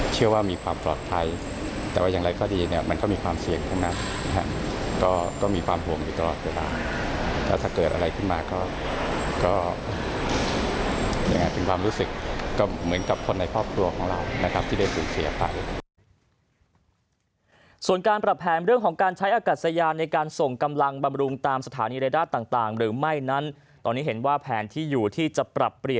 เชื่อว่ามีความปลอดภัยแต่ว่าอย่างไรก็ดีเนี่ยมันก็มีความเสียงทั้งนักนะฮะก็มีความห่วงอยู่ตลอดเวลาแล้วถ้าเกิดอะไรขึ้นมาก็เป็นความรู้สึกเหมือนกับคนในครอบครัวของเราที่ได้สูญเสียไป